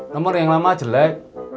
nomor yang lama jelek